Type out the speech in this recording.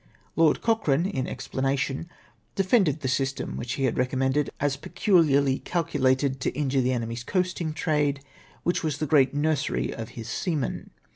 "Lord Cochrane, in explanation, defended the system which he had recommended, as peculiarly calculated to injure the enemy's coasting trade, which was the great nursery of his seamen.